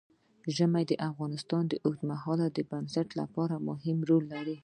ژمی د افغانستان د اوږدمهاله پایښت لپاره مهم رول لري.